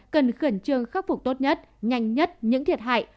cần khẩn trương khắc phục tốt nhất nhanh nhất những thiệt hại